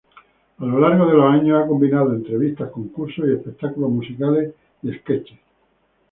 A lo largo de los años ha combinado entrevistas, concursos, espectáculos musicales y "sketches".